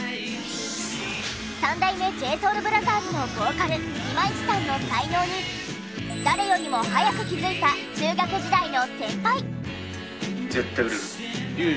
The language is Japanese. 三代目ＪＳＯＵＬＢＲＯＴＨＥＲＳのボーカル今市さんの才能に誰よりも早く気づいた中学時代の先輩。